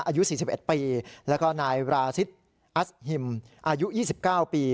อายุสี่สิบเอ็ดปีแล้วก็นายวราซิดอัสหิมอายุยี่สิบเก้าปี